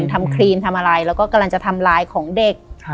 ครีนทำอะไรแล้วก็กำลังจะทำลายของเด็ก